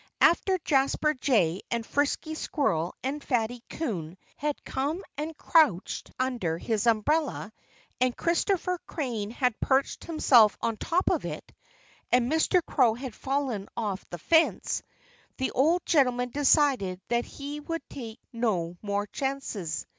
After Jasper Jay and Frisky Squirrel and Fatty Coon had come and crouched under his umbrella, and Christopher Crane had perched himself on top of it, and Mr. Crow had fallen off the fence, the old gentleman decided that he would take no more chances.